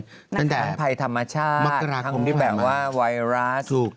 ตั้งแต่ภัยธรรมชาติถึงวิรัส